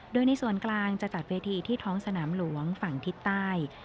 โดยในส่วนกลางจะจัดเวทีที่ท้องสนามหลวงฝั่งทิศใต้